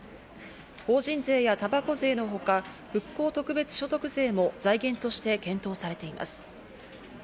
法人税やたばこ税のほか、復興特別所得税も財源として検討されています。